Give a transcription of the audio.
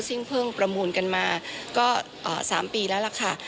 ซึ่งเพิ่งประมูลกันมาก็๓ปีแล้วล่ะค่ะ